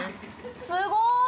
すごーい。